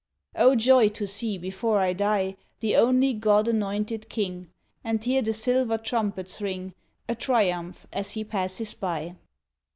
O joy to see before I die The only God anointed king, And hear the silver trumpets ring A triumph as he passes by!